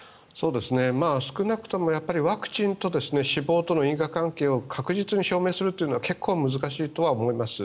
少なくともワクチンと死亡との因果関係を確実に証明するのは結構難しいとは思います。